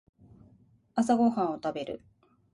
朝ごはんを食べる